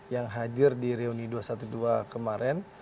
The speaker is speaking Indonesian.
yang hadir di reuni dua ratus dua belas kemarin